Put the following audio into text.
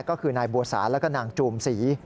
ก็คือนายบัวสาแล้วก็นางจูมศรี